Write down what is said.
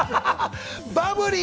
バブリー！